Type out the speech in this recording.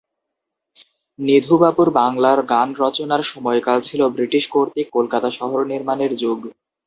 নিধুবাবুর বাংলা গান রচনার সময়কাল ছিল ব্রিটিশ কর্তৃক কলকাতা শহর নির্মাণের যুগ।